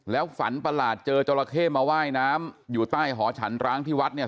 แล้วฝันประหลาดเจอจราเข้มาว่ายน้ำอยู่ใต้หอฉันร้างที่วัดเนี่ย